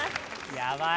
やばい。